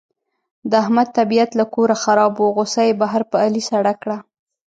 د احمد طبیعت له کوره خراب و، غوسه یې بهر په علي سړه کړه.